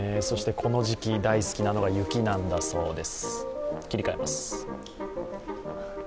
この時期、大好きなのが雪なんだそうです。